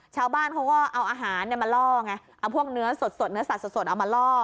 ชาวบ้านเขาก็เอาอาหารมาล่อไงเอาพวกเนื้อสดเนื้อสัตวสดเอามาล่อ